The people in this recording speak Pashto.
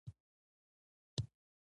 زه له تاسره ېم رازه چې ځو